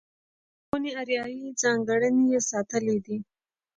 لرغونې اریایي ځانګړنې یې ساتلې دي.